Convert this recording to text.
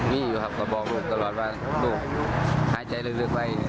มีอยู่ครับก็บอกลูกตลอดว่าลูกหายใจลึกไป